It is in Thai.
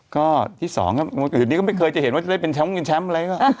ก็ที่สองครับอื่นก็ไม่เคยจะเห็นว่าจะได้เป็นแชมป์อะไรก็